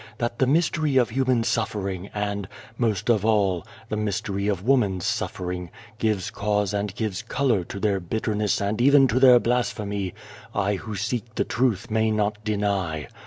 That the mystery of human suffering, and, most of all, the mystery of woman's suffering, gives cause and gives colour to their bitterness and even to their blasphemy, I who seek the truth may not deny.